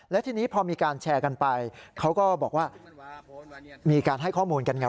และทีนี้พอมีการแชร์กันไปเขาก็บอกว่ามีการให้ข้อมูลกันไง